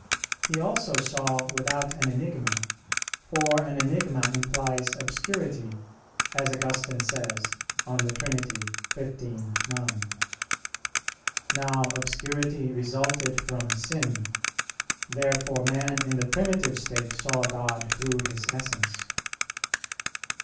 He also saw without an enigma, for an enigma implies obscurity, as Augustine says (De Trin. xv, 9). Now, obscurity resulted from sin. Therefore man in the primitive state saw God through His Essence.